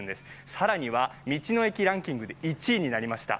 更には、道の駅ランキングで１位になりました。